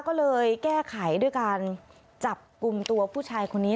ก็เลยแก้ไขด้วยการจับกลุ่มตัวผู้ชายคนนี้